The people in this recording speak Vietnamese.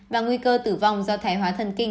và nguy cơ tử vong do thải hóa thần kinh